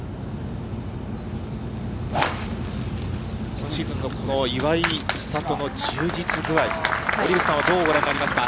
今シーズンのこの岩井千怜の充実具合、森口さんはどうご覧になりますか？